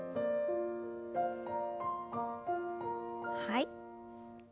はい。